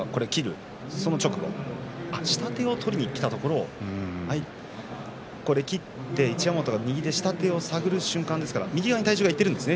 下手を取りにきたところを切って一山本が右で下手を探る瞬間右側に体重がいっているんですね